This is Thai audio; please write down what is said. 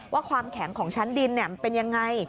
ว่าความแข็งของชั้นดินเป็นอย่างไร